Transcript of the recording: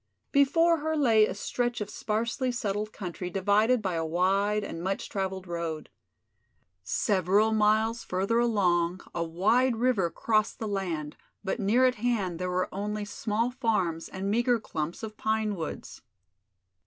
Before her lay a stretch of sparsely settled country divided by a wide and much traveled road. Several miles further along a wide river crossed the land, but near at hand there were only small farms and meagre clumps of pine woods.